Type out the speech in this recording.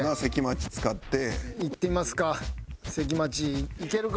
いってみますか。